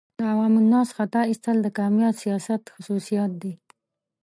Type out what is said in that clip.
د عوام الناس خطا ایستل د کامیاب سیاست خصوصیات دي.